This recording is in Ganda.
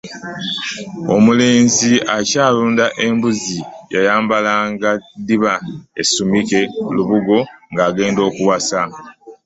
Omulenzi akyalunda embuzi yayambalanga ddiba, asumika lubugo ng’agenda kuwasa.